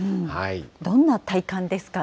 どんな体感ですかね。